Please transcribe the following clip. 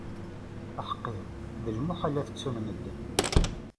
Aḥeqqi, d lmuḥal ad t-ttun medden.